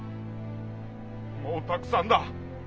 もうたくさんだ。